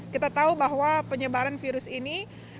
kita tahu bahwa penyebaran virus ini